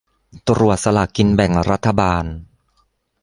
ตรวจสลากกินแบ่งรัฐบาล